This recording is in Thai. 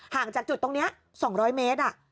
ห่างจากจุดตรงเนี้ย๒๐๐เมตร